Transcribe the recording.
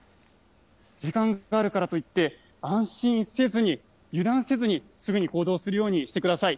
時間があるからといって、安心せずに、油断せずに、すぐに行動するようにしてください。